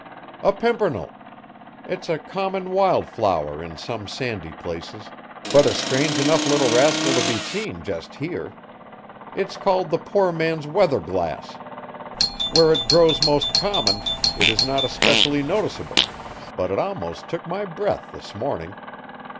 "A pimpernel. It's a common wild flower in some sandy places, but a strange enough little rascal to be seen just here. It's called the poor man's weather glass. Where it grows most common, it is not especially noticeable; but it almost took my breath this morning.